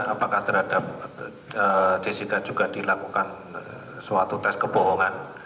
apakah terhadap jessica juga dilakukan suatu tes kebohongan